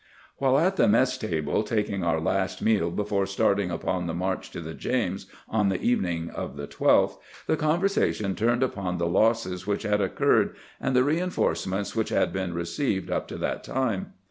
While at the mess table taking our last meal before starting upon the march to the James on the evening of the 12th, the conversation turned upon the losses which had occurred and the reinforcements which had been received up to that time.